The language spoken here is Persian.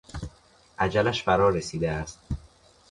اجلش فرا رسیده است.